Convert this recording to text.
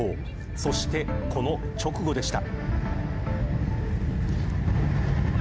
そして、この直後でした。